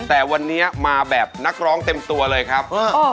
แต่วันนี้มาแบบนักร้องเต็มตัวเลยครับ